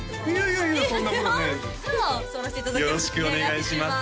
よろしくお願いします